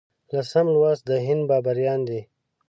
لسم لوست د هند بابریان دي.